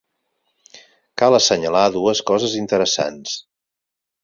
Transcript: Cal assenyalar dues coses interessants.